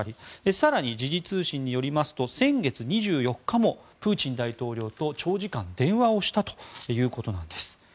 更に、時事通信によりますと先月２４日もプーチン大統領と長時間電話をしたということです。